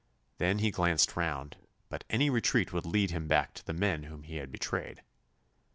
Then he glanced round, but any retreat would lead him back to the men whom he had betrayed.